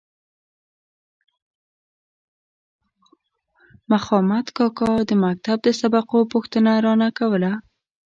مخامد کاکا د مکتب د سبقو پوښتنه رانه کوله.